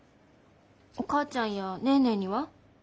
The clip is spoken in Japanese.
お母ちゃんやネーネーには？